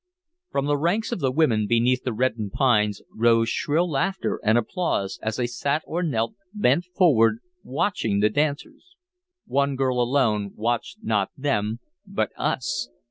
From the ranks of the women beneath the reddened pines rose shrill laughter and applause as they sat or knelt, bent forward, watching the dancers. One girl alone watched not them, but us.